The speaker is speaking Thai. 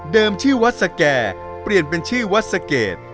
ชื่อวัดสแก่เปลี่ยนเป็นชื่อวัดสะเกด